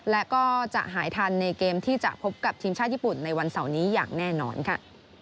และก็จะหายทันในเกมที่จะพบกับทีมชาติญี่ปุ่นในวันเสาร์นี้อย่างแน่นอนค่ะ